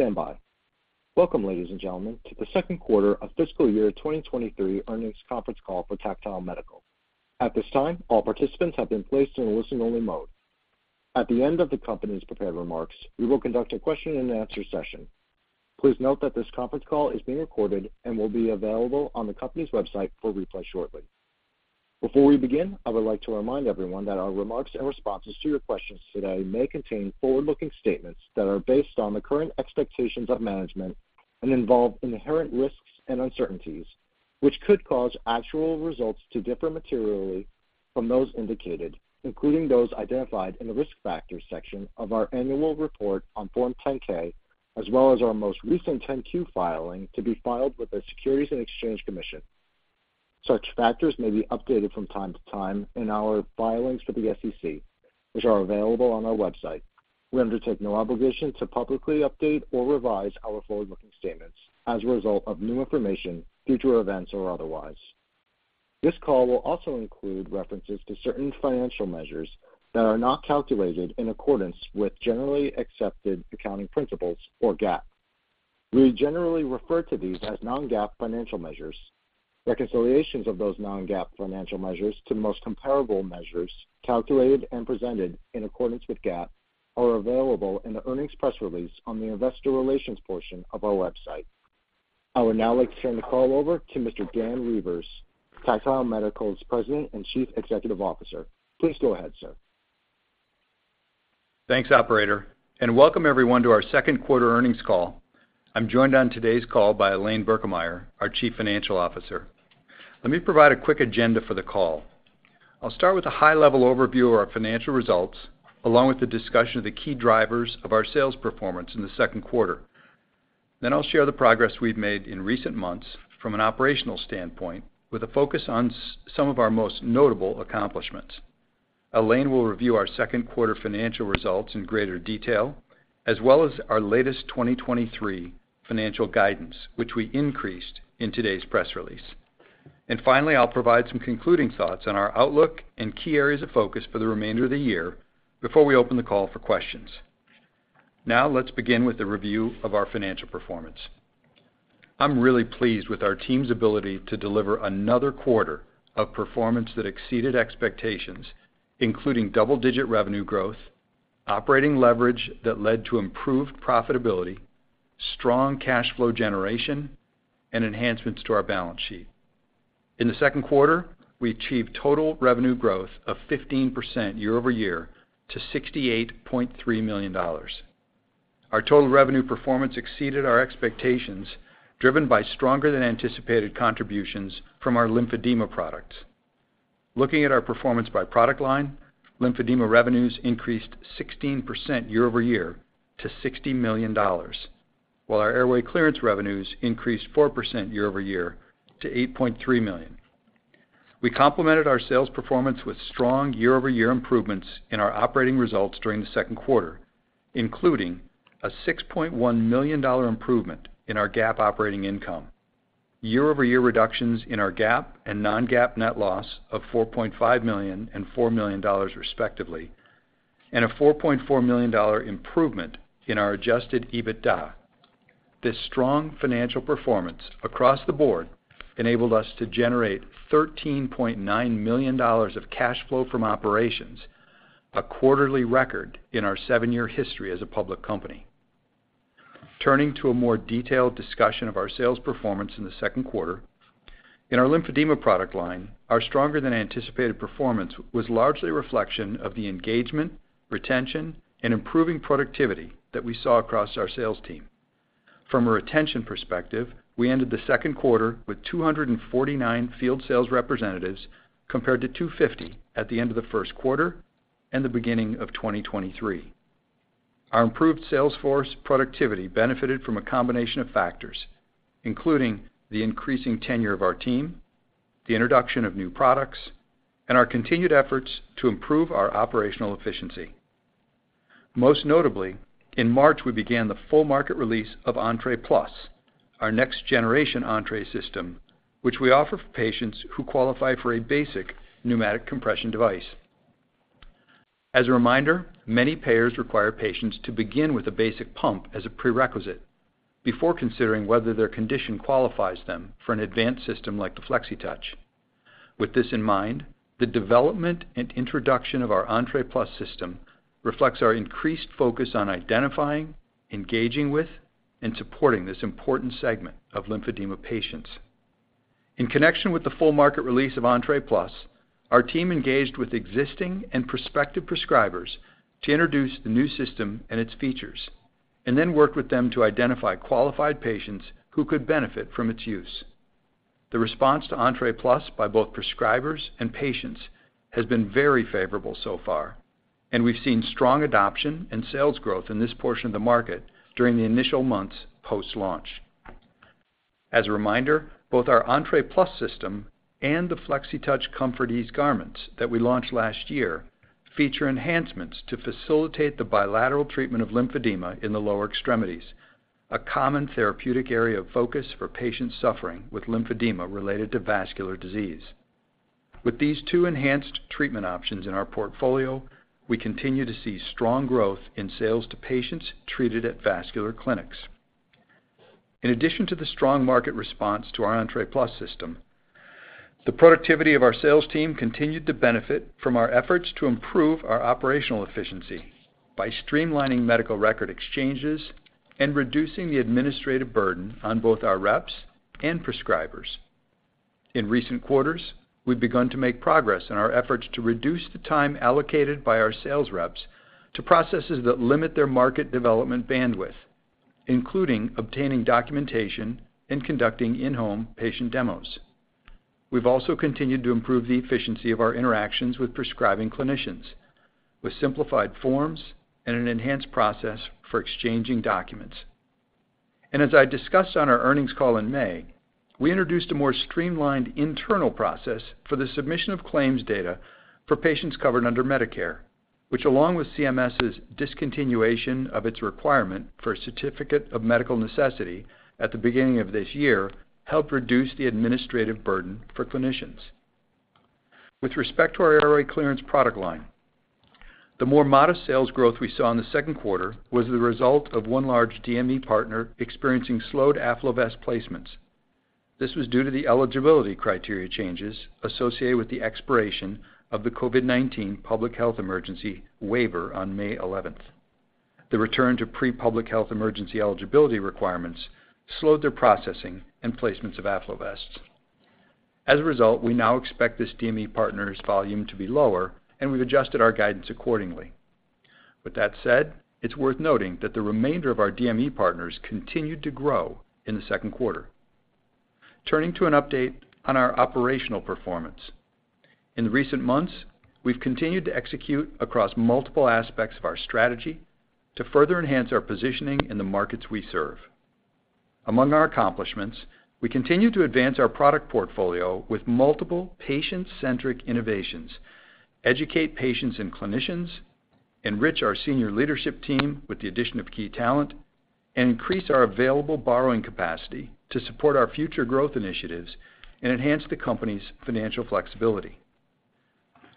Stand by. Welcome, ladies and gentlemen, to the second quarter of fiscal year 2023 earnings conference call for Tactile Medical. At this time, all participants have been placed in a listen-only mode. At the end of the company's prepared remarks, we will conduct a question-and-answer session. Please note that this conference call is being recorded and will be available on the company's website for replay shortly. Before we begin, I would like to remind everyone that our remarks and responses to your questions today may contain forward-looking statements that are based on the current expectations of management and involve inherent risks and uncertainties, which could cause actual results to differ materially from those indicated, including those identified in the Risk Factors section of our annual report on Form 10-K, as well as our most recent 10-Q filing to be filed with the Securities and Exchange Commission. Such factors may be updated from time to time in our filings for the SEC, which are available on our website. We undertake no obligation to publicly update or revise our forward-looking statements as a result of new information, future events, or otherwise. This call will also include references to certain financial measures that are not calculated in accordance with generally accepted accounting principles or GAAP. We generally refer to these as non-GAAP financial measures. Reconciliations of those non-GAAP financial measures to the most comparable measures, calculated and presented in accordance with GAAP, are available in the earnings press release on the Investor Relations portion of our website. I would now like to turn the call over to Mr. Dan Reuvers, Tactile Medical's President and Chief Executive Officer. Please go ahead, sir. Thanks, operator, and welcome everyone to our second quarter earnings call. I'm joined on today's call by Elaine Birkemeyer, our Chief Financial Officer. Let me provide a quick agenda for the call. I'll start with a high-level overview of our financial results, along with the discussion of the key drivers of our sales performance in the second quarter. Then I'll share the progress we've made in recent months from an operational standpoint, with a focus on some of our most notable accomplishments. Elaine will review our second quarter financial results in greater detail, as well as our latest 2023 financial guidance, which we increased in today's press release. Finally, I'll provide some concluding thoughts on our outlook and key areas of focus for the remainder of the year before we open the call for questions. Now, let's begin with the review of our financial performance. I'm really pleased with our team's ability to deliver another quarter of performance that exceeded expectations, including double-digit revenue growth, operating leverage that led to improved profitability, strong cash flow generation, and enhancements to our balance sheet. In the second quarter, we achieved total revenue growth of 15% year-over-year to $68.3 million. Our total revenue performance exceeded our expectations, driven by stronger than anticipated contributions from our lymphedema products. Looking at our performance by product line, lymphedema revenues increased 16% year-over-year to $60 million, while our airway clearance revenues increased 4% year-over-year to $8.3 million. We complemented our sales performance with strong year-over-year improvements in our operating results during the second quarter, including a $6.1 million improvement in our GAAP operating income, year-over-year reductions in our GAAP and non-GAAP net loss of $4.5 million and $4 million, respectively, and a $4.4 million improvement in our adjusted EBITDA. This strong financial performance across the board enabled us to generate $13.9 million of cash flow from operations, a quarterly record in our seven-year history as a public company. Turning to a more detailed discussion of our sales performance in the second quarter. In our lymphedema product line, our stronger than anticipated performance was largely a reflection of the engagement, retention, and improving productivity that we saw across our sales team. From a retention perspective, we ended the second quarter with 249 field sales representatives, compared to 250 at the end of the first quarter and the beginning of 2023. Our improved sales force productivity benefited from a combination of factors, including the increasing tenure of our team, the introduction of new products, and our continued efforts to improve our operational efficiency.\ Most notably, in March, we began the full market release of Entre Plus, our next generation Entre system, which we offer for patients who qualify for a basic pneumatic compression device. As a reminder, many payers require patients to begin with a basic pump as a prerequisite before considering whether their condition qualifies them for an advanced system like the Flexitouch. With this in mind, the development and introduction of our Entre Plus system reflects our increased focus on identifying, engaging with, and supporting this important segment of lymphedema patients. In connection with the full market release of Entre Plus, our team engaged with existing and prospective prescribers to introduce the new system and its features, and then worked with them to identify qualified patients who could benefit from its use. The response to Entre Plus by both prescribers and patients has been very favorable so far, and we've seen strong adoption and sales growth in this portion of the market during the initial months post-launch. As a reminder, both our Entre Plus system and the Flexitouch ComfortEase garments that we launched last year feature enhancements to facilitate the bilateral treatment of lymphedema in the lower extremities, a common therapeutic area of focus for patients suffering with lymphedema related to vascular disease. With these two enhanced treatment options in our portfolio, we continue to see strong growth in sales to patients treated at vascular clinics. In addition to the strong market response to our Entre Plus system, the productivity of our sales team continued to benefit from our efforts to improve our operational efficiency by streamlining medical record exchanges and reducing the administrative burden on both our reps and prescribers. In recent quarters, we've begun to make progress in our efforts to reduce the time allocated by our sales reps to processes that limit their market development bandwidth, including obtaining documentation and conducting in-home patient demos. We've also continued to improve the efficiency of our interactions with prescribing clinicians, with simplified forms and an enhanced process for exchanging documents. As I discussed on our earnings call in May, we introduced a more streamlined internal process for the submission of claims data for patients covered under Medicare, which, along with CMS's discontinuation of its requirement for a certificate of medical necessity at the beginning of this year, helped reduce the administrative burden for clinicians. With respect to our airway clearance product line, the more modest sales growth we saw in the second quarter was the result of one large DME partner experiencing slowed AffloVest placements. This was due to the eligibility criteria changes associated with the expiration of the COVID-19 public health emergency waiver on May 11th. The return to pre-public health emergency eligibility requirements slowed their processing and placements of AffloVest. As a result, we now expect this DME partner's volume to be lower, and we've adjusted our guidance accordingly. With that said, it's worth noting that the remainder of our DME partners continued to grow in the second quarter. Turning to an update on our operational performance. In recent months, we've continued to execute across multiple aspects of our strategy to further enhance our positioning in the markets we serve. Among our accomplishments, we continue to advance our product portfolio with multiple patient-centric innovations, educate patients and clinicians, enrich our senior leadership team with the addition of key talent, and increase our available borrowing capacity to support our future growth initiatives and enhance the company's financial flexibility.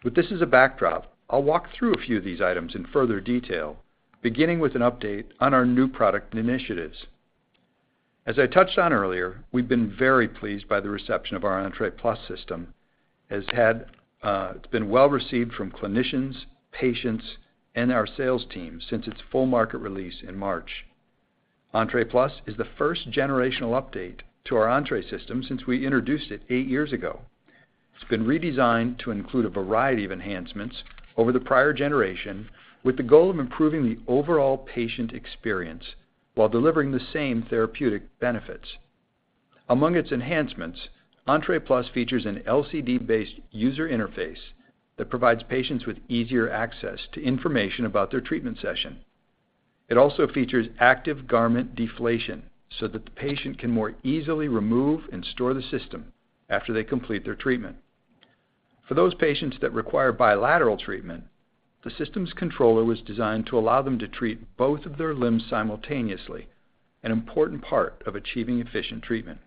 With this as a backdrop, I'll walk through a few of these items in further detail, beginning with an update on our new product initiatives. As I touched on earlier, we've been very pleased by the reception of our Entre Plus system. It's had, it's been well-received from clinicians, patients, and our sales team since its full market release in March. Entre Plus is the first generational update to our Entre system since we introduced it eight years ago. It's been redesigned to include a variety of enhancements over the prior generation, with the goal of improving the overall patient experience while delivering the same therapeutic benefits. Among its enhancements, Entre Plus features an LCD-based user interface that provides patients with easier access to information about their treatment session. It also features active garment deflation so that the patient can more easily remove and store the system after they complete their treatment. For those patients that require bilateral treatment, the system's controller was designed to allow them to treat both of their limbs simultaneously, an important part of achieving efficient treatment.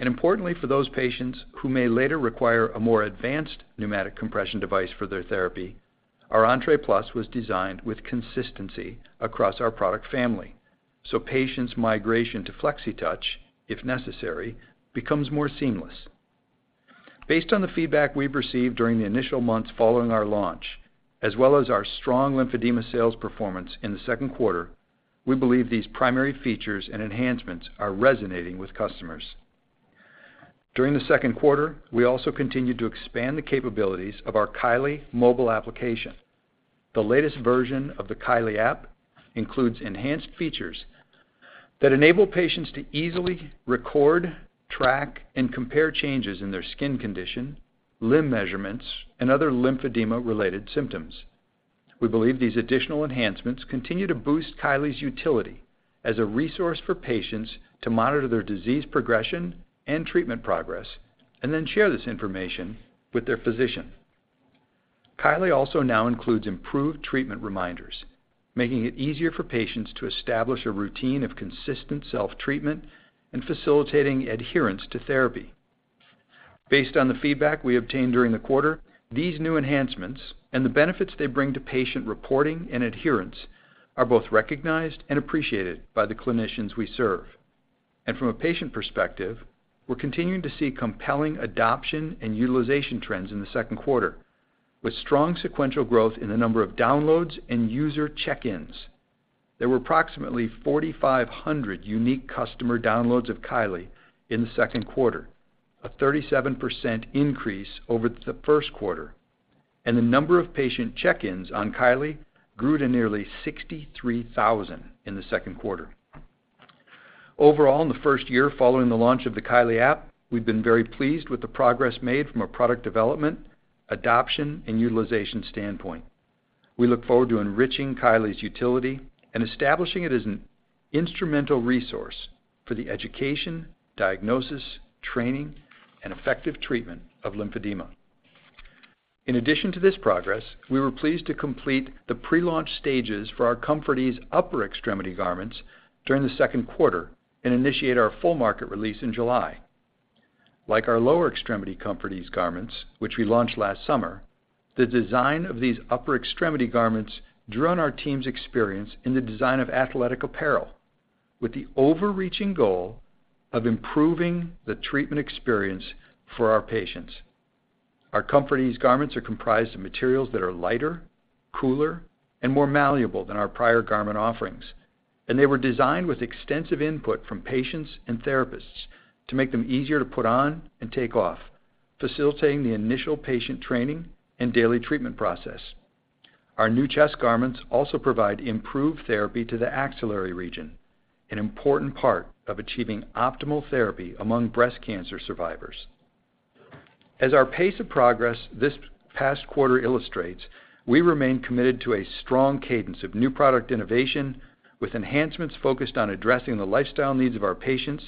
Importantly, for those patients who may later require a more advanced pneumatic compression device for their therapy, our Entre Plus was designed with consistency across our product family, so patients' migration to Flexitouch, if necessary, becomes more seamless. Based on the feedback we've received during the initial months following our launch, as well as our strong lymphedema sales performance in the second quarter, we believe these primary features and enhancements are resonating with customers. During the second quarter, we also continued to expand the capabilities of our Kylee mobile application. The latest version of the Kylee app includes enhanced features that enable patients to easily record, track, and compare changes in their skin condition, limb measurements, and other lymphedema-related symptoms. We believe these additional enhancements continue to boost Kylee's utility as a resource for patients to monitor their disease progression and treatment progress, then share this information with their physician. Kylee also now includes improved treatment reminders, making it easier for patients to establish a routine of consistent self-treatment and facilitating adherence to therapy. Based on the feedback we obtained during the quarter, these new enhancements and the benefits they bring to patient reporting and adherence are both recognized and appreciated by the clinicians we serve. From a patient perspective, we're continuing to see compelling adoption and utilization trends in the second quarter, with strong sequential growth in the number of downloads and user check-ins. There were approximately 4,500 unique customer downloads of Kylee in the second quarter, a 37% increase over the first quarter, and the number of patient check-ins on Kylee grew to nearly 63,000 in the second quarter. Overall, in the first year following the launch of the Kylee app, we've been very pleased with the progress made from a product development, adoption, and utilization standpoint. We look forward to enriching Kylee's utility and establishing it as an instrumental resource for the education, diagnosis, training, and effective treatment of lymphedema. In addition to this progress, we were pleased to complete the pre-launch stages for our ComfortEase upper extremity garments during the second quarter and initiate our full market release in July. Like our lower extremity ComfortEase garments, which we launched last summer, the design of these upper extremity garments drew on our team's experience in the design of athletic apparel, with the overreaching goal of improving the treatment experience for our patients. Our ComfortEase garments are comprised of materials that are lighter, cooler, and more malleable than our prior garment offerings, and they were designed with extensive input from patients and therapists to make them easier to put on and take off, facilitating the initial patient training and daily treatment process. Our new chest garments also provide improved therapy to the axillary region, an important part of achieving optimal therapy among breast cancer survivors. As our pace of progress this past quarter illustrates, we remain committed to a strong cadence of new product innovation, with enhancements focused on addressing the lifestyle needs of our patients,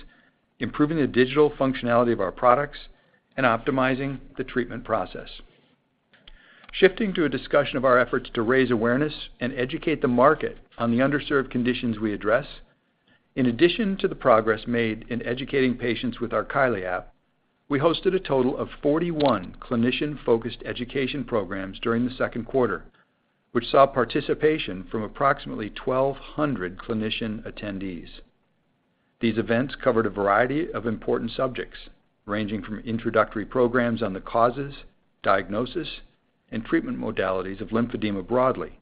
improving the digital functionality of our products, and optimizing the treatment process. Shifting to a discussion of our efforts to raise awareness and educate the market on the underserved conditions we address, in addition to the progress made in educating patients with our Kylee app, we hosted a total of 41 clinician-focused education programs during the second quarter, which saw participation from approximately 1,200 clinician attendees. These events covered a variety of important subjects, ranging from introductory programs on the causes, diagnosis, and treatment modalities of lymphedema broadly,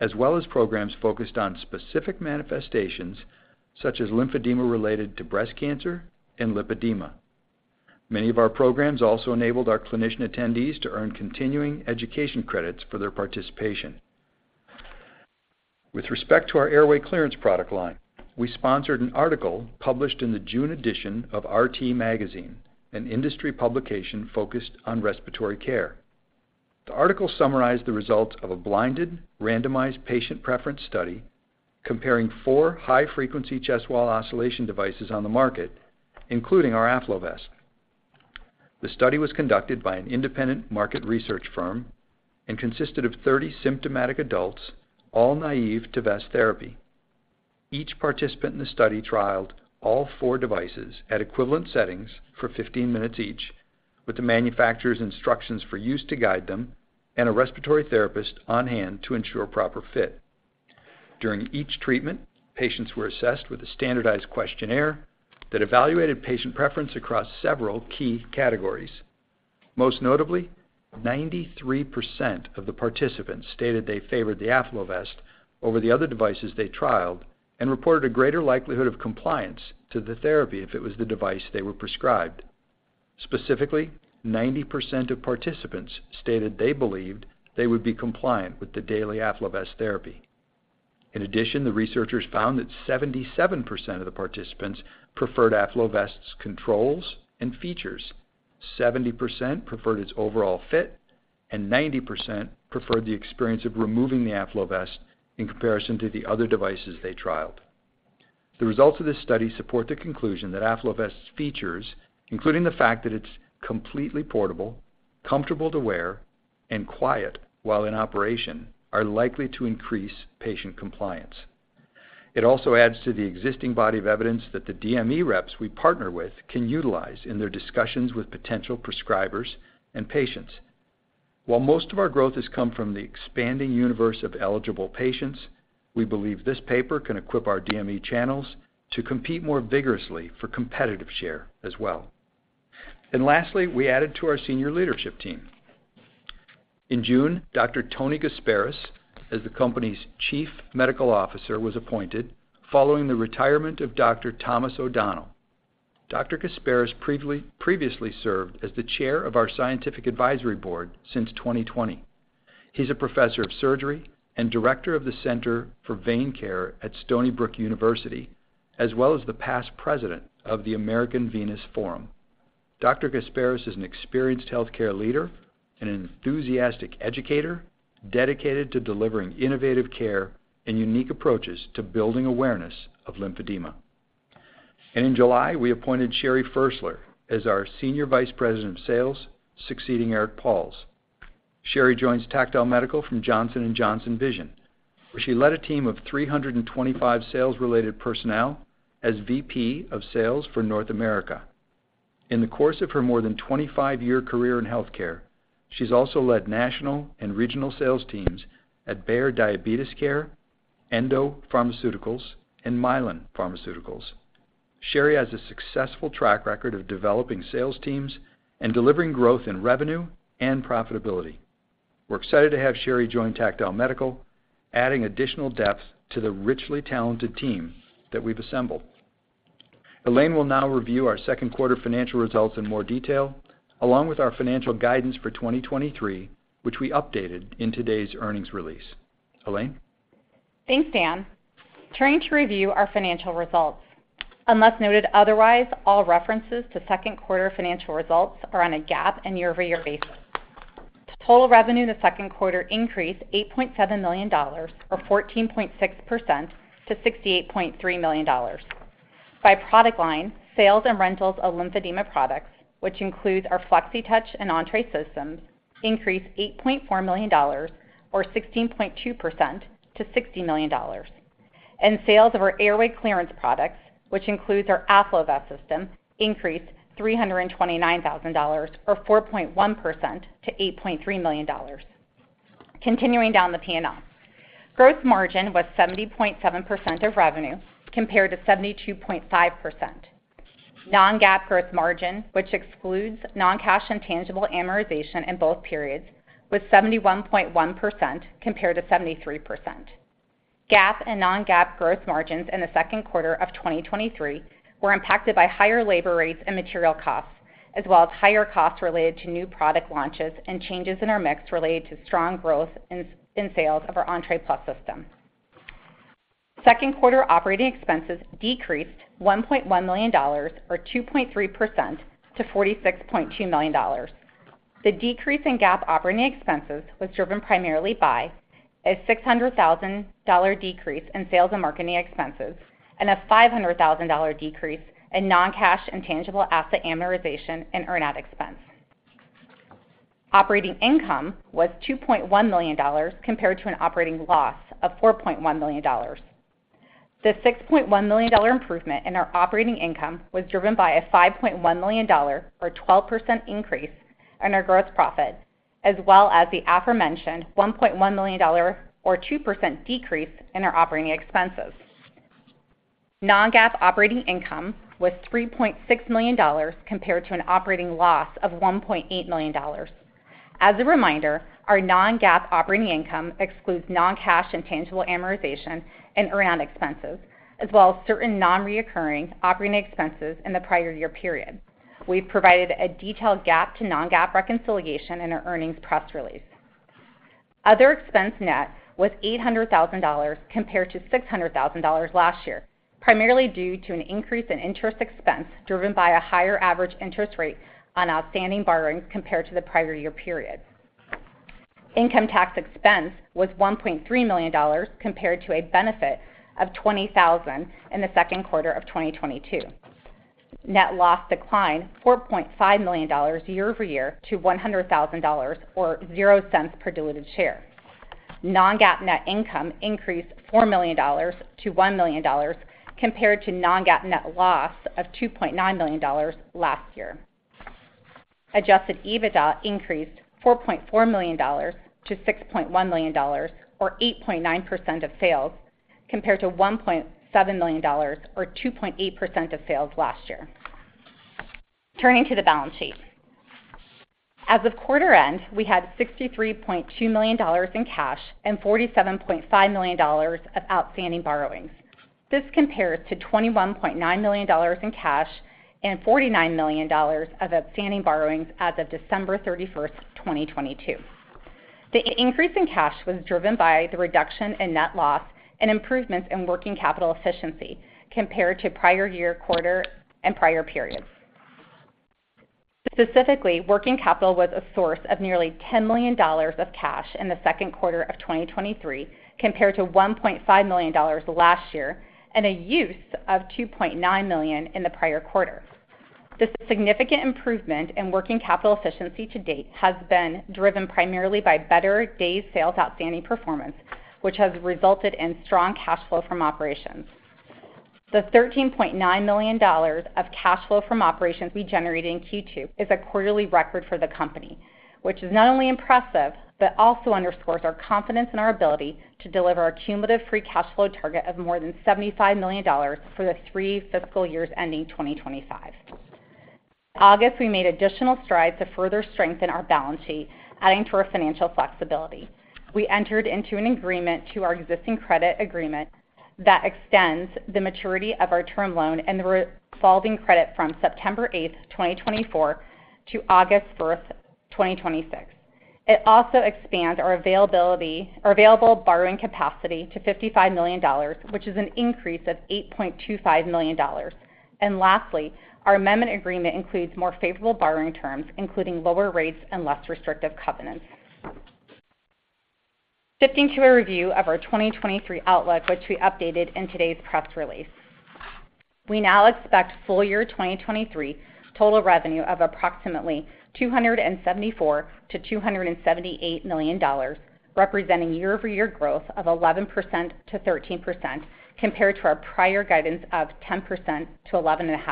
as well as programs focused on specific manifestations, such as lymphedema related to breast cancer and lipedema. Many of our programs also enabled our clinician attendees to earn continuing education credits for their participation. With respect to our airway clearance product line, we sponsored an article published in the June edition of RT Magazine, an industry publication focused on respiratory care. The article summarized the results of a blinded, randomized patient preference study comparing four high-frequency chest wall oscillation devices on the market, including our AffloVest. The study was conducted by an independent market research firm and consisted of 30 symptomatic adults, all naive to vest therapy. Each participant in the study trialed all four devices at equivalent settings for 15 minutes each, with the manufacturer's instructions for use to guide them and a respiratory therapist on hand to ensure proper fit. During each treatment, patients were assessed with a standardized questionnaire that evaluated patient preference across several key categories. Most notably, 93% of the participants stated they favored the AffloVest over the other devices they trialed and reported a greater likelihood of compliance to the therapy if it was the device they were prescribed. Specifically, 90% of participants stated they believed they would be compliant with the daily AffloVest therapy. In addition, the researchers found that 77% of the participants preferred AffloVest's controls and features, 70% preferred its overall fit, and 90% preferred the experience of removing the AffloVest in comparison to the other devices they trialed. The results of this study support the conclusion that AffloVest's features, including the fact that it's completely portable, comfortable to wear, and quiet while in operation, are likely to increase patient compliance. It also adds to the existing body of evidence that the DME reps we partner with can utilize in their discussions with potential prescribers and patients. While most of our growth has come from the expanding universe of eligible patients, we believe this paper can equip our DME channels to compete more vigorously for competitive share as well. Lastly, we added to our senior leadership team. In June, Dr. Tony Gasparis, as the company's Chief Medical Officer, was appointed following the retirement of Dr. Thomas O'Donnell. Dr. Gasparis previously served as the chair of our scientific advisory board since 2020. He's a professor of surgery and director of the Center for Vein Care at Stony Brook University, as well as the past president of the American Venous Forum. Dr. Gasparis is an experienced healthcare leader and an enthusiastic educator, dedicated to delivering innovative care and unique approaches to building awareness of lymphedema. In July, we appointed Sherri Ferstler as our Senior Vice President of Sales, succeeding Eric Pauls. Sherri joins Tactile Medical from Johnson & Johnson Vision, where she led a team of 325 sales-related personnel as VP of Sales for North America. In the course of her more than 25-year career in healthcare, she's also led national and regional sales teams at Bayer Diabetes Care, Endo Pharmaceuticals, and Mylan Pharmaceuticals. Sherri has a successful track record of developing sales teams and delivering growth in revenue and profitability. We're excited to have Sherri join Tactile Medical, adding additional depth to the richly talented team that we've assembled. Elaine will now review our second quarter financial results in more detail, along with our financial guidance for 2023, which we updated in today's earnings release. Elaine? Thanks, Dan. Turning to review our financial results. Unless noted otherwise, all references to second quarter financial results are on a GAAP and year-over-year basis. Total revenue in the second quarter increased $8.7 million, or 14.6% to $68.3 million. By product line, sales and rentals of lymphedema products, which includes our Flexitouch and Entre systems, increased $8.4 million, or 16.2% to $60 million. Sales of our airway clearance products, which includes our AffloVest system, increased $329,000, or 4.1% to $8.3 million. Continuing down the P&L. Gross margin was 70.7% of revenue, compared to 72.5%. Non-GAAP gross margin, which excludes non-cash intangible amortization in both periods, was 71.1% compared to 73%. GAAP and non-GAAP growth margins in the second quarter of 2023 were impacted by higher labor rates and material costs, as well as higher costs related to new product launches and changes in our mix related to strong growth in sales of our Entre Plus system. Second quarter operating expenses decreased $1.1 million, or 2.3% to $46.2 million. The decrease in GAAP operating expenses was driven primarily by a $600,000 decrease in sales and marketing expenses, and a $500,000 decrease in non-cash intangible asset amortization and earn out expense. Operating income was $2.1 million, compared to an operating loss of $4.1 million. The $6.1 million improvement in our operating income was driven by a $5.1 million, or 12% increase in our gross profit, as well as the aforementioned $1.1 million, or 2% decrease in our operating expenses. Non-GAAP operating income was $3.6 million, compared to an operating loss of $1.8 million. As a reminder, our non-GAAP operating income excludes non-cash intangible amortization and earn out expenses, as well as certain non-reoccurring operating expenses in the prior year period. We've provided a detailed GAAP to non-GAAP reconciliation in our earnings press release. Other expense net was $800,000, compared to $600,000 last year, primarily due to an increase in interest expense driven by a higher average interest rate on outstanding borrowings compared to the prior year period. Income tax expense was $1.3 million, compared to a benefit of $20,000 in the second quarter of 2022. Net loss declined $4.5 million year-over-year to $100,000, or $0.00 per diluted share. Non-GAAP net income increased $4 million to $1 million, compared to Non-GAAP net loss of $2.9 million last year. Adjusted EBITDA increased $4.4 million to $6.1 million, or 8.9% of sales, compared to $1.7 million, or 2.8% of sales last year. Turning to the balance sheet. As of quarter end, we had $63.2 million in cash and $47.5 million of outstanding borrowings. This compares to $21.9 million in cash and $49 million of outstanding borrowings as of December 31st, 2022. The increase in cash was driven by the reduction in net loss and improvements in working capital efficiency compared to prior year quarter and prior periods. Specifically, working capital was a source of nearly $10 million of cash in the second quarter of 2023, compared to $1.5 million last year, and a use of $2.9 million in the prior quarter. This significant improvement in working capital efficiency to date has been driven primarily by better days sales outstanding performance, which has resulted in strong cash flow from operations. The $13.9 million of cash flow from operations we generated in Q2 is a quarterly record for the company, which is not only impressive, but also underscores our confidence in our ability to deliver our cumulative free cash flow target of more than $75 million for the three fiscal years ending 2025. In August, we made additional strides to further strengthen our balance sheet, adding to our financial flexibility. We entered into an agreement to our existing credit agreement that extends the maturity of our term loan and the revolving credit from September 8, 2024 to August 1, 2026. It also expands our available borrowing capacity to $55 million, which is an increase of $8.25 million. Lastly, our amendment agreement includes more favorable borrowing terms, including lower rates and less restrictive covenants. Shifting to a review of our 2023 outlook, which we updated in today's press release. We now expect full year 2023 total revenue of approximately $274 million-$278 million, representing year-over-year growth of 11%-13%, compared to our prior guidance of 10%-11.5%.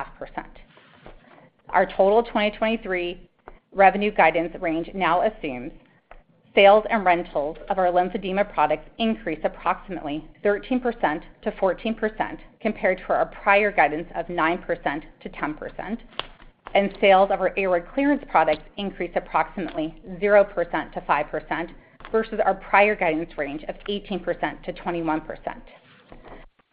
Our total 2023 revenue guidance range now assumes sales and rentals of our lymphedema products increase approximately 13%-14%, compared to our prior guidance of 9%-10%, and sales of our airway clearance products increase approximately 0%-5% versus our prior guidance range of 18%-21%.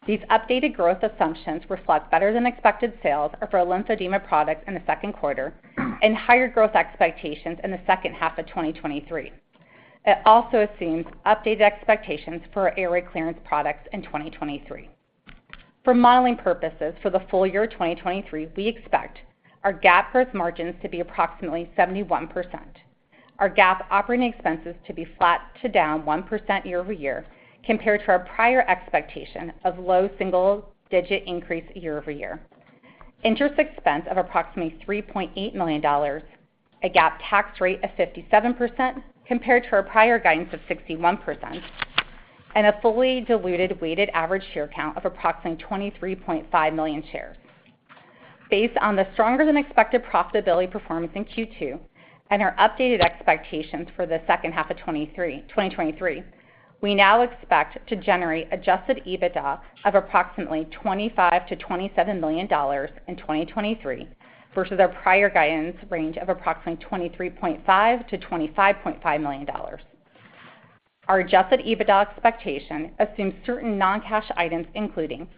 These updated growth assumptions reflect better than expected sales of our lymphedema products in the second quarter and higher growth expectations in the second half of 2023. It also assumes updated expectations for our airway clearance products in 2023. For modeling purposes, for the full year of 2023, we expect our GAAP growth margins to be approximately 71%. our GAAP operating expenses to be flat to down 1% year-over-year, compared to our prior expectation of low single-digit increase year-over-year. Interest expense of approximately $3.8 million, a GAAP tax rate of 57% compared to our prior guidance of 61%, and a fully diluted weighted average share count of approximately 23.5 million shares. Based on the stronger than expected profitability performance in Q2 and our updated expectations for the second half of 2023, we now expect to generate adjusted EBITDA of approximately $25 million-$27 million in 2023 versus our prior guidance range of approximately $23.5 million-$25.5 million. Our adjusted EBITDA expectation assumes certain non-cash items, including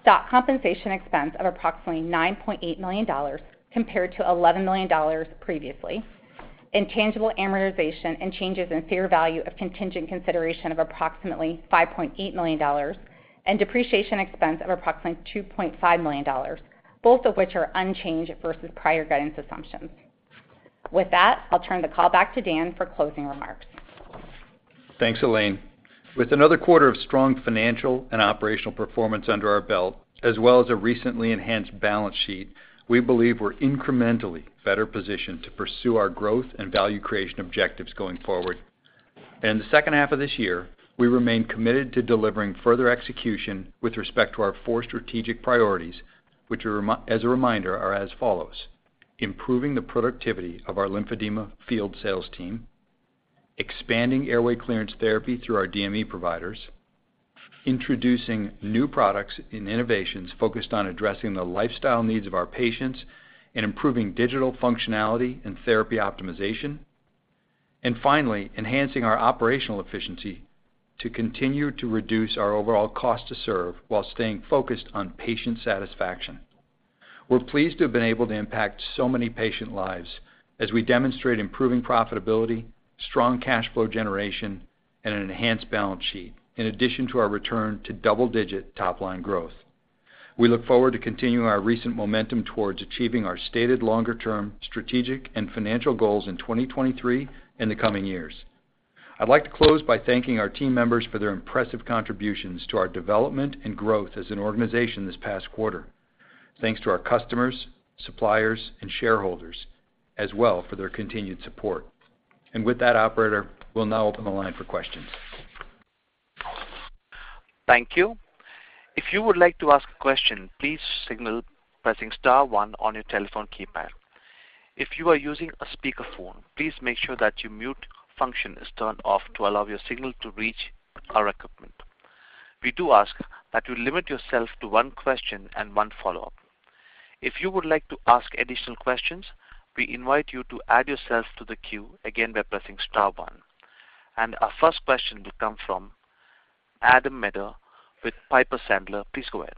stock compensation expense of approximately $9.8 million compared to $11 million previously, intangible amortization and changes in fair value of contingent consideration of approximately $5.8 million, and depreciation expense of approximately $2.5 million, both of which are unchanged versus prior guidance assumptions. With that, I'll turn the call back to Dan for closing remarks. Thanks, Elaine. With another quarter of strong financial and operational performance under our belt, as well as a recently enhanced balance sheet, we believe we're incrementally better positioned to pursue our growth and value creation objectives going forward. In the second half of this year, we remain committed to delivering further execution with respect to our four strategic priorities, which as a reminder, are as follows: improving the productivity of our lymphedema field sales team, expanding airway clearance therapy through our DME providers, introducing new products and innovations focused on addressing the lifestyle needs of our patients, and improving digital functionality and therapy optimization, and finally, enhancing our operational efficiency to continue to reduce our overall cost to serve while staying focused on patient satisfaction. We're pleased to have been able to impact so many patient lives as we demonstrate improving profitability, strong cash flow generation, and an enhanced balance sheet, in addition to our return to double-digit top line growth. We look forward to continuing our recent momentum towards achieving our stated longer-term strategic and financial goals in 2023 and the coming years. I'd like to close by thanking our team members for their impressive contributions to our development and growth as an organization this past quarter. Thanks to our customers, suppliers, and shareholders as well for their continued support. With that, operator, we'll now open the line for questions. Thank you. If you would like to ask a question, please signal pressing star one on your telephone keypad. If you are using a speakerphone, please make sure that your mute function is turned off to allow your signal to reach our equipment. We do ask that you limit yourself to one question and one follow-up. If you would like to ask additional questions, we invite you to add yourself to the queue, again, by pressing star one. Our first question will come from Adam Maeder with Piper Sandler. Please go ahead.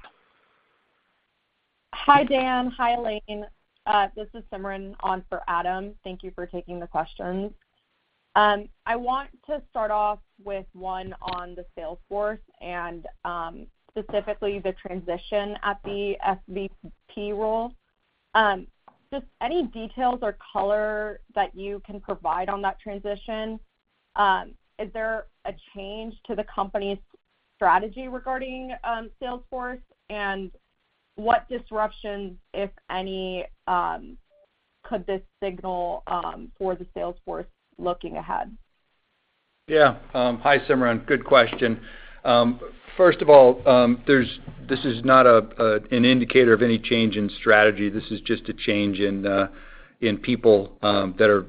Hi, Dan. Hi, Elaine. This is Simran on for Adam. Thank you for taking the questions. I want to start off with one on the sales force and specifically the transition at the SVP role. Just any details or color that you can provide on that transition? Is there a change to the company's strategy regarding sales force? What disruptions, if any, could this signal for the sales force looking ahead? Yeah. Hi, Simran, good question. First of all, this is not an indicator of any change in strategy. This is just a change in people that are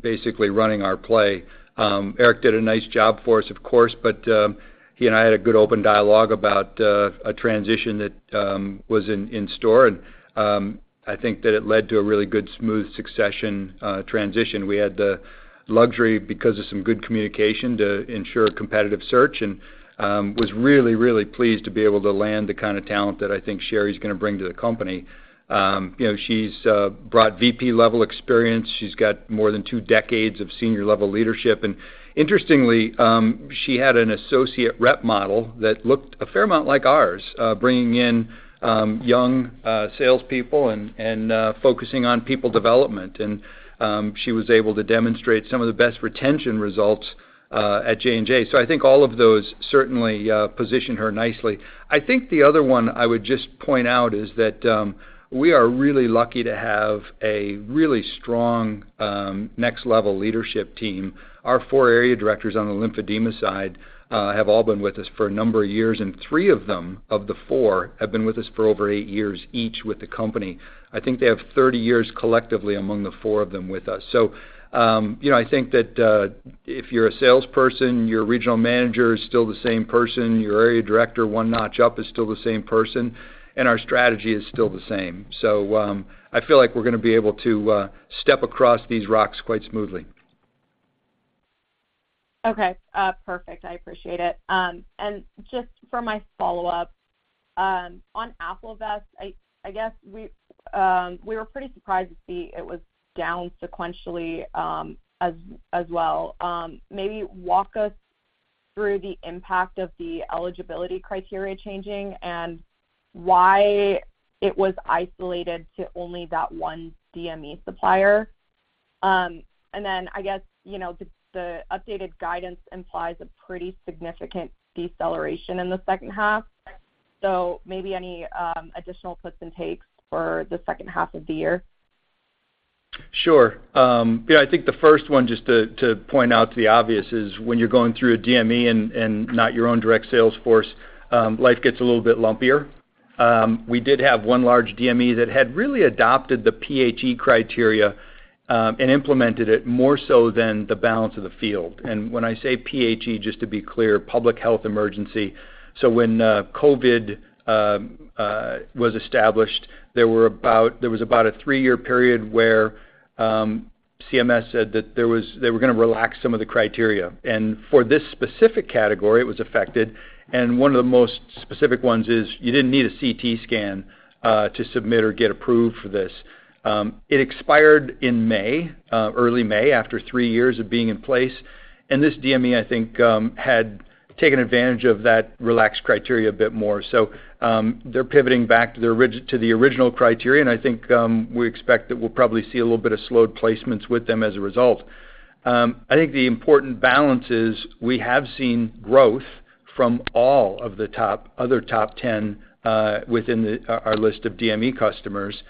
basically running our play. Eric did a nice job for us, of course, but he and I had a good open dialogue about a transition that was in store, and I think that it led to a really good, smooth succession transition. We had the luxury, because of some good communication, to ensure a competitive search, and was really, really pleased to be able to land the kind of talent that I think Sherri's gonna bring to the company. You know, she's brought VP-level experience. She's got more than two decades of senior-level leadership. Interestingly, she had an associate rep model that looked a fair amount like ours, bringing in young salespeople and focusing on people development. She was able to demonstrate some of the best retention results at Johnson & Johnson. I think all of those certainly position her nicely. I think the other one I would just point out is that we are really lucky to have a really strong next-level leadership team. Our four area directors on the lymphedema side have all been with us for a number of years, and three of them, of the four, have been with us for over eight years each with the company. I think they have 30 years collectively among the four of them with us. You know, I think that, if you're a salesperson, your regional manager is still the same person, your area director, one notch up, is still the same person, and our strategy is still the same. I feel like we're gonna be able to step across these rocks quite smoothly. Okay. Perfect. I appreciate it. Just for my follow-up, on AffloVest, I guess, we were pretty surprised to see it was down sequentially, as well. Maybe walk us through the impact of the eligibility criteria changing, and why it was isolated to only that one DME supplier? Then I guess, you know, the updated guidance implies a pretty significant deceleration in the second half. Maybe any additional puts and takes for the second half of the year? Sure. Yeah, I think the first one, just to point out to the obvious, is when you're going through a DME and not your own direct sales force, life gets a little bit lumpier. We did have one large DME that had really adopted the PHE criteria and implemented it more so than the balance of the field. When I say PHE, just to be clear, Public Health Emergency. When COVID was established, there was about a three-year period where CMS said that they were going to relax some of the criteria. For this specific category, it was affected, and one of the most specific ones is you didn't need a CT scan to submit or get approved for this. It expired in May, early May, after three years of being in place, and this DME, I think, had taken advantage of that relaxed criteria a bit more. They're pivoting back to the original criteria, and I think, we expect that we'll probably see a little bit of slowed placements with them as a result. I think the important balance is we have seen growth from all of the top, other top 10, within our list of DME customers.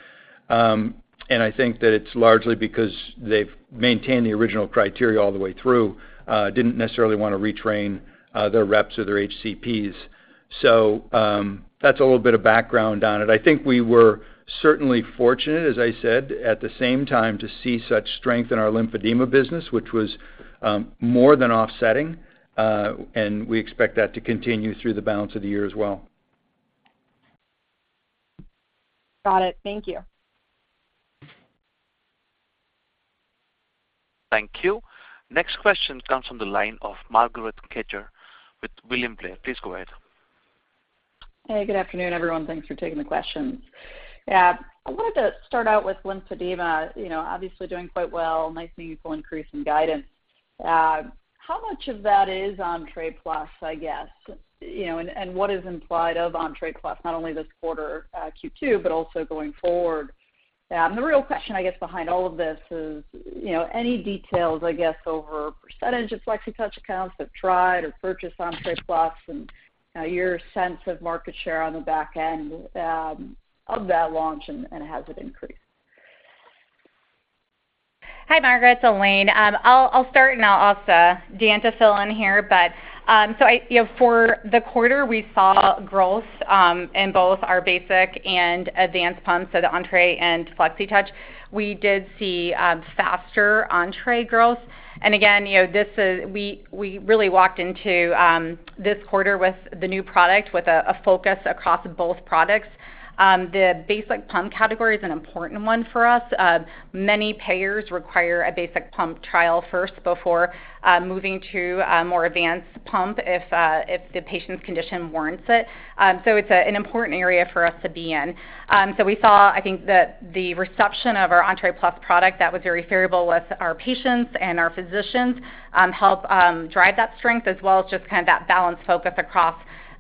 I think that it's largely because they've maintained the original criteria all the way through, didn't necessarily want to retrain, their reps or their HCPs. That's a little bit of background on it.I think we were certainly fortunate, as I said, at the same time, to see such strength in our lymphedema business, which was more than offsetting, and we expect that to continue through the balance of the year as well. Got it. Thank you. Thank you. Next question comes from the line of Margaret Kaczor with William Blair. Please go ahead. Hey, good afternoon, everyone. Thanks for taking the questions. I wanted to start out with lymphedema, you know, obviously doing quite well, nice meaningful increase in guidance. How much of that is Entre Plus, I guess? You know, what is implied of Entre Plus, not only this quarter, Q2, but also going forward? The real question, I guess, behind all of this is, you know, any details, I guess, over % of Flexitouch accounts that have tried or purchased Entre Plus, and your sense of market share on the back end of that launch and has it increased? Hi, Margaret, it's Elaine. I'll, I'll start, and I'll ask Dan to fill in here. You know, for the quarter, we saw growth in both our basic and advanced pumps, so the Entre and Flexitouch. We did see faster Entre growth. You know, we, we really walked into this quarter with the new product, with a, a focus across both products. The basic pump category is an important one for us. Many payers require a basic pump trial first before moving to a more advanced pump, if the patient's condition warrants it. It's a, an important area for us to be in. We saw, I think, the, the reception of our Entre Plus product that was very favorable with our patients and our physicians, help drive that strength, as well as just kind of that balanced focus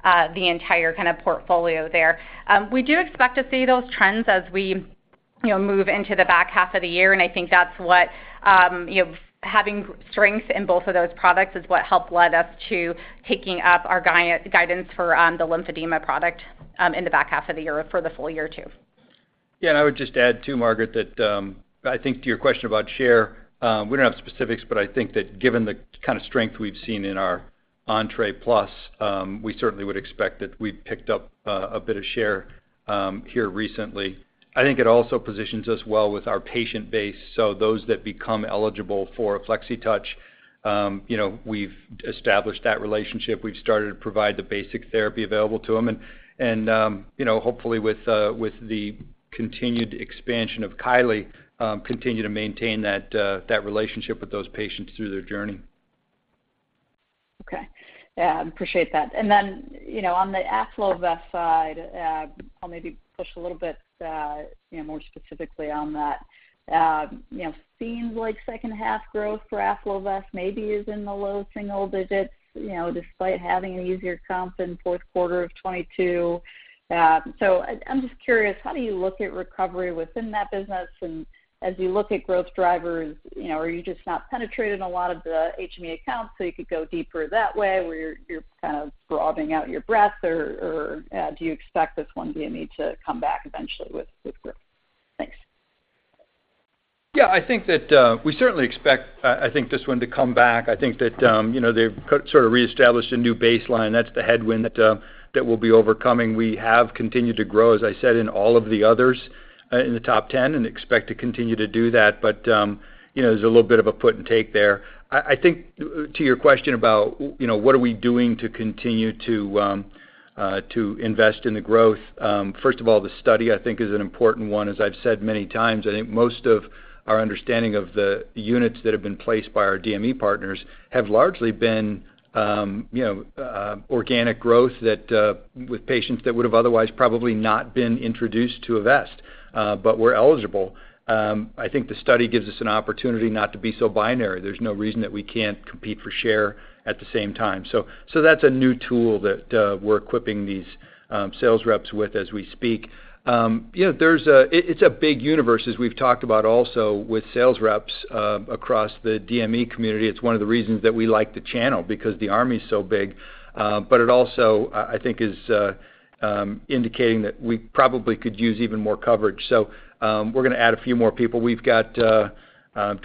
across the entire kind of portfolio there. We do expect to see those trends as we, you know, move into the back half of the year, I think that's what, you know, having strength in both of those products is what helped led us to taking up our guidance for the lymphedema product in the back half of the year for the full year, too. Yeah, I would just add, too, Margaret, that, I think to your question about share, we don't have specifics, but I think that given the kind of strength we've seen in our Entre Plus, we certainly would expect that we've picked up a, a bit of share, here recently. I think it also positions us well with our patient base. So those that become eligible for a Flexitouch, you know, we've established that relationship. We've started to provide the basic therapy available to them and, and, you know, hopefully with, with the continued expansion of Kylee, continue to maintain that, that relationship with those patients through their journey. Okay. Yeah, appreciate that. Then, you know, on the AffloVest side, I'll maybe push a little bit, you know, more specifically on that. You know, seems like second half growth for AffloVest maybe is in the low single digits, you know, despite having an easier comp than 4th quarter of 2022. I'm just curious, how do you look at recovery within that business? As you look at growth drivers, you know, are you just not penetrating a lot of the HME accounts, so you could go deeper that way, where you're, you're kind of broadening out your breadth? Or, or, do you expect this one DME to come back eventually with, with growth? Thanks. Yeah, I think that, we certainly expect, I think this one to come back. I think that, you know, they've sort of reestablished a new baseline. That's the headwind that, that we'll be overcoming. We have continued to grow, as I said, in all of the others, in the top ten, and expect to continue to do that. But, you know, there's a little bit of a put and take there. I, I think to your question about, you know, what are we doing to continue to, to invest in the growth? First of all, the study, I think, is an important one. As I've said many times, I think most of our understanding of the units that have been placed by our DME partners have largely been, you know, organic growth that with patients that would have otherwise probably not been introduced to a vest, but were eligible. I think the study gives us an opportunity not to be so binary. There's no reason that we can't compete for share at the same time. So that's a new tool that we're equipping these sales reps with as we speak. You know, it's a big universe, as we've talked about also with sales reps across the DME community. It's one of the reasons that we like the channel, because the army is so big. It also, I think, is indicating that we probably could use even more coverage. We're going to add a few more people. We've got 12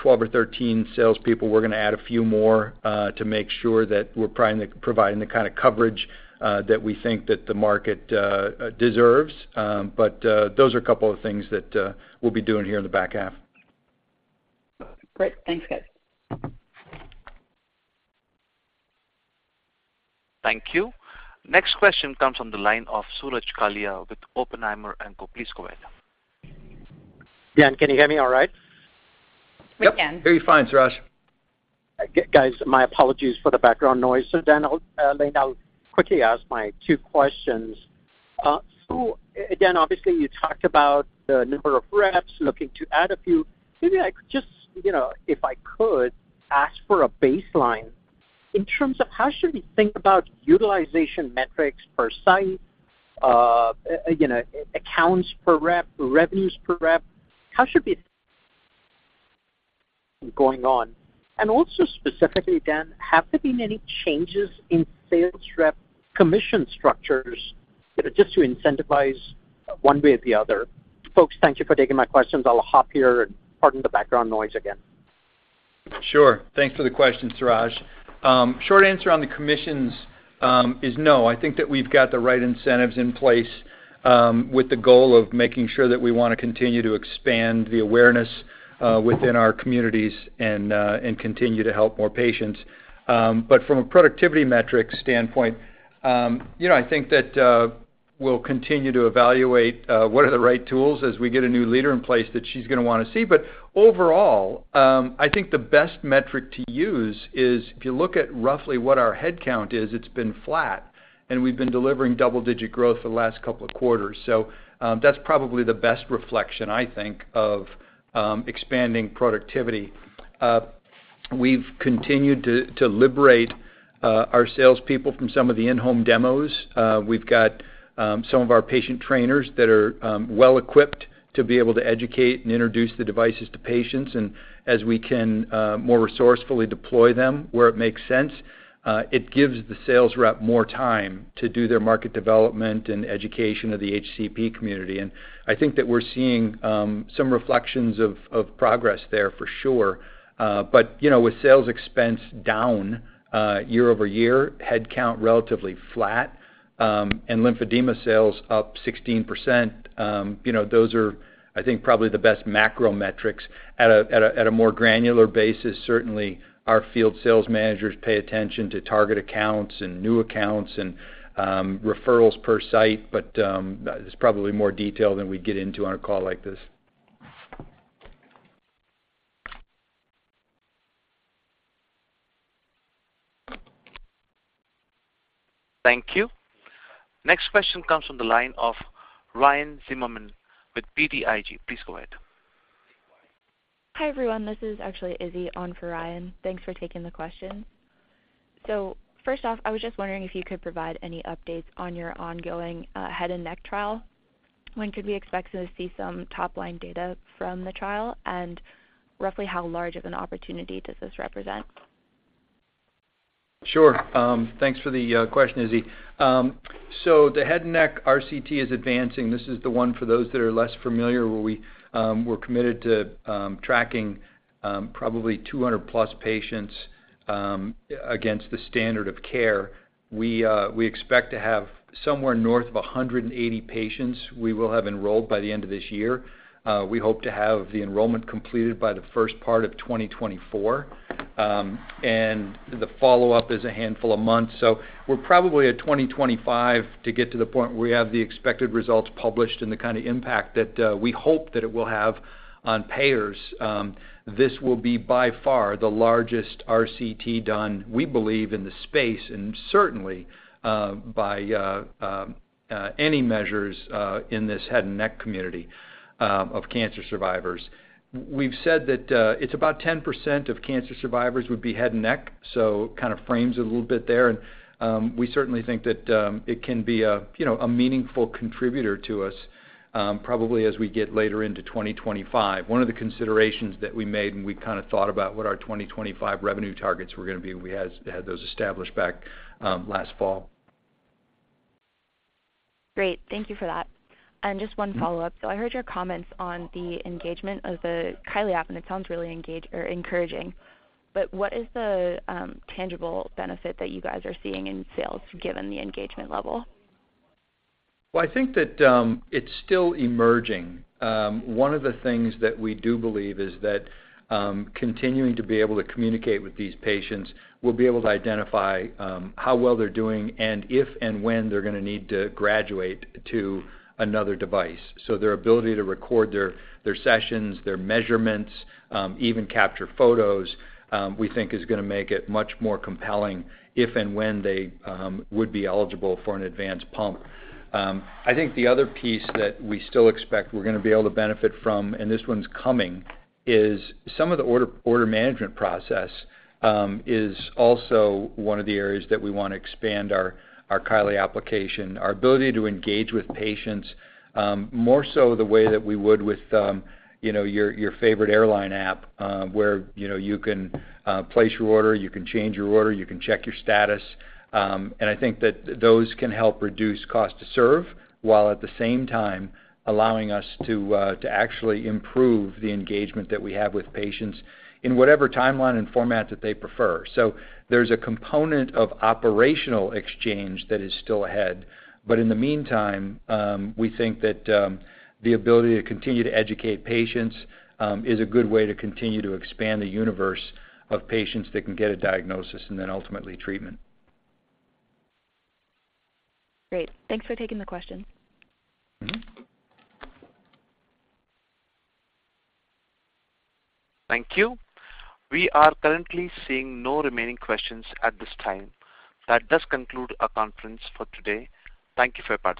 or 13 salespeople. We're going to add a few more, to make sure that we're providing the kind of coverage, that we think that the market, deserves. Those are a couple of things that, we'll be doing here in the back half. Great. Thanks, guys. Thank you. Next question comes from the line of Suraj Kalia with Oppenheimer. Please go ahead. Dan, can you hear me all right? We can. Yep, very fine, Suraj. Guys, my apologies for the background noise. Dan, then I'll quickly ask my two questions. Again, obviously, you talked about the number of reps, looking to add a few. Maybe I could just, you know, if I could ask for a baseline in terms of how should we think about utilization metrics per site, you know, accounts per rep, revenues per rep? How should be going on? Also, specifically, Dan, have there been any changes in sales rep commission structures that are just to incentivize one way or the other? Folks, thank you for taking my questions. I'll hop here and pardon the background noise again. Sure. Thanks for the question, Suraj. Short answer on the commissions is no. I think that we've got the right incentives in place, with the goal of making sure that we want to continue to expand the awareness within our communities and continue to help more patients. From a productivity metric standpoint, you know, I think that we'll continue to evaluate what are the right tools as we get a new leader in place that she's going to want to see. Overall, I think the best metric to use is if you look at roughly what our headcount is, it's been flat, and we've been delivering double-digit growth for the last couple of quarters. That's probably the best reflection, I think, of expanding productivity. We've continued to, to liberate our salespeople from some of the in-home demos. We've got some of our patient trainers that are well equipped to be able to educate and introduce the devices to patients. As we can more resourcefully deploy them where it makes sense, it gives the sales rep more time to do their market development and education of the HCP community. I think that we're seeing some reflections of, of progress there for sure. But, you know, with sales expense down year-over-year, headcount relatively flat, and lymphedema sales up 16%, you know, those are, I think, probably the best macro metrics. At a more granular basis, certainly, our field sales managers pay attention to target accounts and new accounts and referrals per site, but that is probably more detail than we'd get into on a call like this. Thank you. Next question comes from the line of Ryan Zimmerman with BTIG. Please go ahead. Hi, everyone. This is actually Izzy on for Ryan. Thanks for taking the question. First off, I was just wondering if you could provide any updates on your ongoing head and neck trial. When could we expect to see some top-line data from the trial? Roughly how large of an opportunity does this represent? Sure. Thanks for the question, Izzy. So the head and neck RCT is advancing. This is the one for those that are less familiar, where we're committed to tracking probably 200+ patients against the standard of care. We expect to have somewhere north of 180 patients we will have enrolled by the end of this year. We hope to have the enrollment completed by the first part of 2024. The follow-up is a handful of months. We're probably at 2025 to get to the point where we have the expected results published and the kind of impact that we hope that it will have on payers. This will be by far the largest RCT done, we believe, in the space, and certainly, by any measures, in this head and neck community of cancer survivors. We've said that it's about 10% of cancer survivors would be head and neck, so kind of frames it a little bit there. We certainly think that it can be a, you know, a meaningful contributor to us, probably as we get later into 2025. One of the considerations that we made, and we kind of thought about what our 2025 revenue targets were going to be, we had, had those established back last fall. Great. Thank you for that. And just one follow-up. I heard your comments on the engagement of the Kylee app, and it sounds really encouraging. What is the tangible benefit that you guys are seeing in sales, given the engagement level? Well, I think that it's still emerging. One of the things that we do believe is that continuing to be able to communicate with these patients, we'll be able to identify how well they're doing and if and when they're going to need to graduate to another device. Their ability to record their, their sessions, their measurements, even capture photos, we think is going to make it much more compelling if and when they would be eligible for an advanced pump. I think the other piece that we still expect we're going to be able to benefit from, and this one's coming, is some of the order, order management process, is also one of the areas that we want to expand our, our Kylee application. Our ability to engage with patients, more so the way that we would with, you know, your, your favorite airline app, where, you know, you can, place your order, you can change your order, you can check your status. I think that those can help reduce cost to serve, while at the same time allowing us to, to actually improve the engagement that we have with patients in whatever timeline and format that they prefer. There's a component of operational exchange that is still ahead, in the meantime, we think that, the ability to continue to educate patients, is a good way to continue to expand the universe of patients that can get a diagnosis and then ultimately treatment. Great. Thanks for taking the question. Thank you. We are currently seeing no remaining questions at this time. That does conclude our conference for today. Thank you for participating.